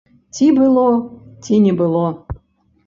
Ці было, ці не было.